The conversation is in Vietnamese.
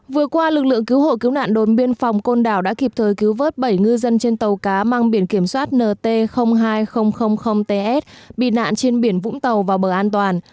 vừa qua lực lượng cứu hộ cứu nạn đồn biên phòng côn đảo đã kịp thời cứu vớt bảy ngư dân trên tàu cá mang biển kiểm soát nt hai ts bị nạn trên biển vũng tàu vào bờ an toàn